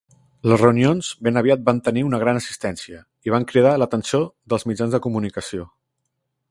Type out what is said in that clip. Les reunions ben aviat van tenir una gran assistència i van cridar l'atenció dels mitjans de comunicació.